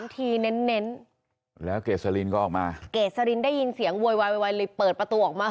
ทีเน้นแล้วเกษลินก็ออกมาเกษลินได้ยินเสียงโวยวายเลยเปิดประตูออกมา